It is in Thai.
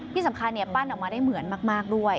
ที่สำคัญปั้นออกมาได้เหมือนมากด้วย